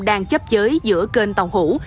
đang chấp chế giữa kênh tàu hủ